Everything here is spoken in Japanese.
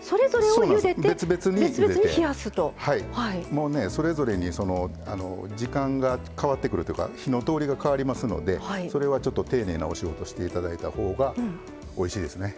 もうねそれぞれに時間が変わってくるというか火の通りが変わりますのでそれはちょっと丁寧なお仕事をして頂いたほうがおいしいですね。